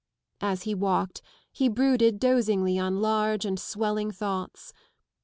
As he walked he brooded dozingly on large and swelling thoughts.